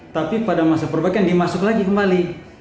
tapi pada masa perbaikan dimasuk lagi kembali